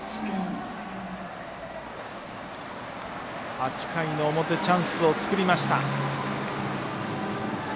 ８回の表、チャンスを作りました。